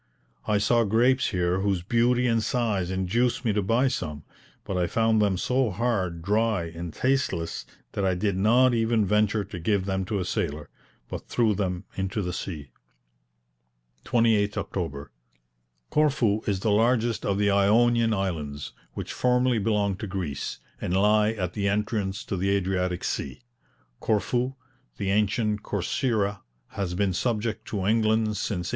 I saw grapes here whose beauty and size induced me to buy some; but I found them so hard, dry, and tasteless, that I did not even venture to give them to a sailor, but threw them into the sea. 28th October. Corfu is the largest of the Ionian Islands, which formerly belonged to Greece, and lie at the entrance to the Adriatic sea. Corfu, the ancient Corcyra, has been subject to England since 1815.